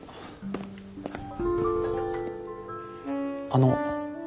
あの。